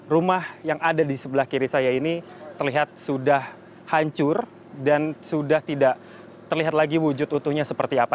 rumah yang ada di sebelah kiri saya ini terlihat sudah hancur dan sudah tidak terlihat lagi wujud utuhnya seperti apa